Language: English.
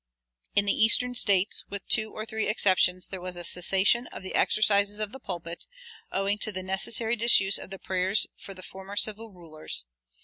In the Eastern States, with two or three exceptions, there was a cessation of the exercises of the pulpit, owing to the necessary disuse of the prayers for the former civil rulers.